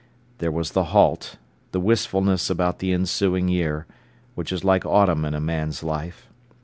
There was the halt, the wistfulness about the ensuing year, which is like autumn in a man's life.